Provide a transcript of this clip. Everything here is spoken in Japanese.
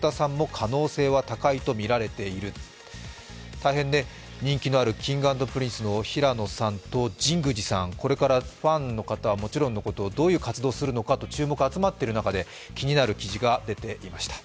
大変人気のあるＫｉｎｇ＆Ｐｒｉｎｃｅの平野さんと神宮寺さん、これからファンの方はもちろんのこと、どういう活動をするのかと注目が集まっている中で気になる記事が出ていました。